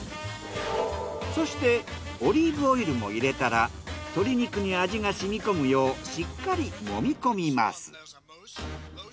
そしてオリーブオイルも入れたら鶏肉に味が染み込むようしっかりもみこみます。